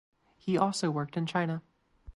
He also worked in China.